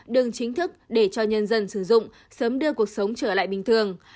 đường chính thức để cho nhân dân sử dụng sớm đưa cuộc sống trở lại bình thường